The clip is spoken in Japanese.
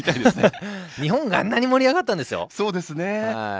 日本があんなに盛り上がったんですよ。